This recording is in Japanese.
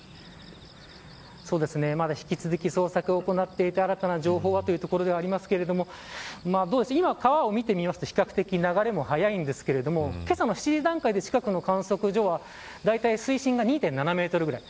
まだ、引き続き捜索を行っていて新たな情報はというところではありますけれども今、川を見てみると比較的流れも速いんですけれどもけさの７時段階で近くの観測所はだいたい水深が２．７メートルぐらい。